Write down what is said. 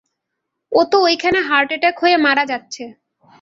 ও তো ঐখানে heart attack হয়ে মারা যাচ্ছে।